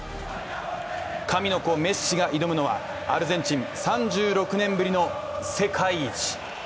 神の子・メッシが挑むのはアルゼンチン３６年ぶりの世界一。